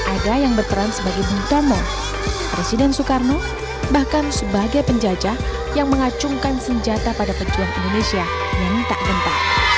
ada yang berteran sebagai bintomo presiden soekarno bahkan sebagai penjajah yang mengacungkan senjata pada pejuang indonesia yang tak genta